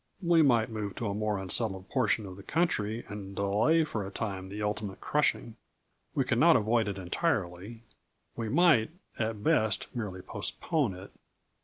We might move to a more unsettled portion of the country and delay for a time the ultimate crushing. We could not avoid it entirely; we might, at best, merely postpone it.